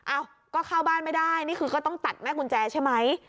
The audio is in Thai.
อ้าวก็เข้าบ้านไม่ได้นี่คือก็ต้องตัดแม่กุญแจใช่ไหม